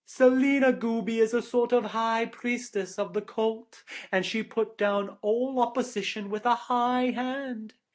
Selina Goobie is a sort of High Priestess of the Cult, and she put down all opposition with a high hand.